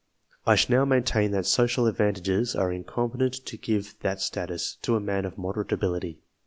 I shall now maintain that | social advantages are incompetent to give that status to a man of moderate ability.